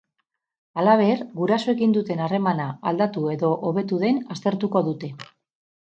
Halaber, gurasoekin duten harremana aldatu edo hobetu den aztertuko dute.